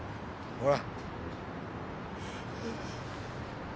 ほら。